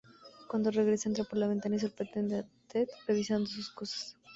Cuando regresa entra por la ventana y sorprende a Ted revisando sus cosas.